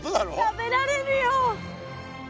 食べられるよ！